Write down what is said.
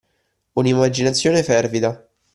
Un'immaginazione fervida